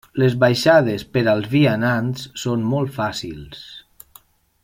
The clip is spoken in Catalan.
Les baixades per als vianants són molt fàcils.